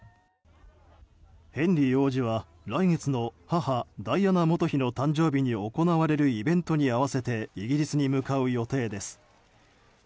ヘンリー王子は来月の母・ダイアナ元妃の誕生日に行われるイベントに合わせてイギリスに向かう予定です。